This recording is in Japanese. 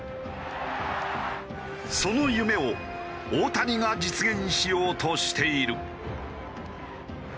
その夢を大谷が実現しようとしている。